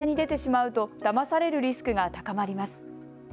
こうした電話に出てしまうとだまされるリスクが高まります。